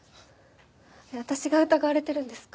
私が疑われてるんですか？